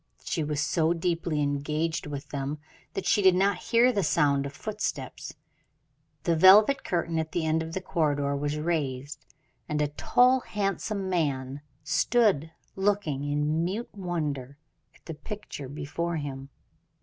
She was so deeply engaged with them, that she did not hear the sound of footsteps; the velvet curtain at the end of the corridor was raised, and a tall, handsome man stood looking in mute wonder at the picture before him.